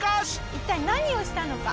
一体何をしたのか。